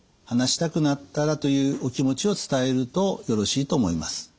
話したくなったらというお気持ちを伝えるとよろしいと思います。